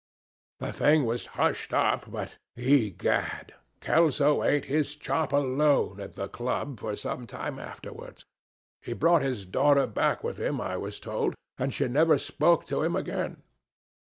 The thing was hushed up, but, egad, Kelso ate his chop alone at the club for some time afterwards. He brought his daughter back with him, I was told, and she never spoke to him again.